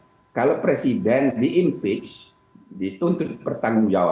misalnya impeachment kalau presiden di impeach dituntut pertanggung jawaban